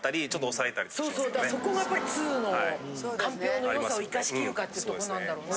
そうそうだからそこがやっぱり通のかんぴょうの良さをいかしきるかっていうとこなんだろうな。